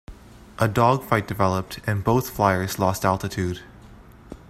A dogfight developed, and both fliers lost altitude.